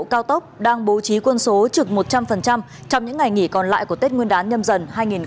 cao tốc đang bố trí quân số trực một trăm linh trong những ngày nghỉ còn lại của tết nguyên đán nhâm dần hai nghìn hai mươi